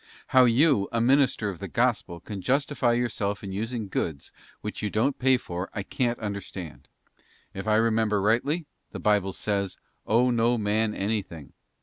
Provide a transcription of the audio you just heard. How you, a minister of the Gospel, can justify yourself in using goods which you don't pay for, I can't understand. If I remember rightly, the Bible says: 'Owe no man anything.'